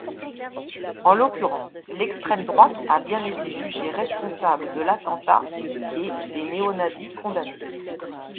En l'occurrence, l'extrême-droite a bien été jugée responsable de l'attentat et des néonazis condamnés.